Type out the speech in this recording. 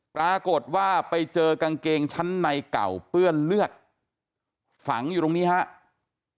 ปรากฏว่าไปเจอกางเกงชั้นในเก่าเปื้อนเลือดฝังอยู่ตรงนี้ครับ